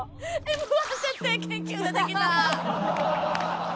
「Ｍ−１徹底研究」出てきた。